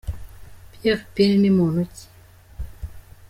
Pierre Pean ni muntu ki ?